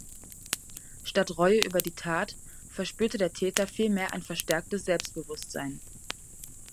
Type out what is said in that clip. Statt Reue über die Tat verspürt der Täter vielmehr ein verstärktes Selbstbewusstsein.